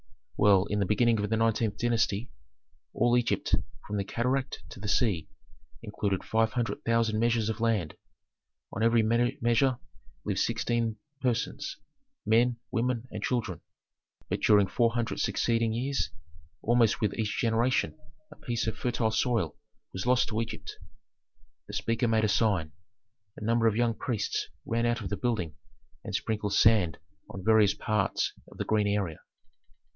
"Well, in the beginning of the nineteenth dynasty, all Egypt, from the cataract to the sea, included five hundred thousand measures of land. On every measure lived sixteen persons: men, women, and children. But during four hundred succeeding years almost with each generation a piece of fertile soil was lost to Egypt." The speaker made a sign. A number of young priests ran out of the building and sprinkled sand on various parts of the green area.